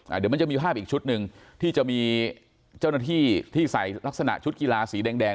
เดี๋ยวมันจะมีภาพอีกชุดหนึ่งที่จะมีเจ้าหน้าที่ที่ใส่ลักษณะชุดกีฬาสีแดงแดง